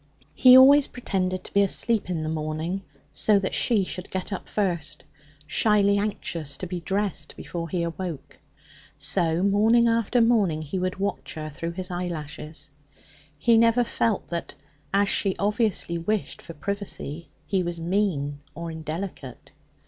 He always pretended to be asleep in the morning, so that she should get up first shyly anxious to be dressed before he awoke. So morning after morning he would watch her through his eyelashes. He never felt that, as she obviously wished for privacy, he was mean or indelicate.